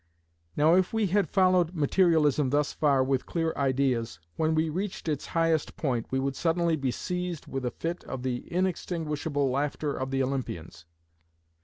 Now if we had followed materialism thus far with clear ideas, when we reached its highest point we would suddenly be seized with a fit of the inextinguishable laughter of the Olympians.